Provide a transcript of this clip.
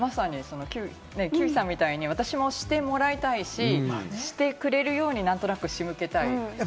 休井さんみたいに私もしてもらいたいし、してくれるように、何となく仕向けたい。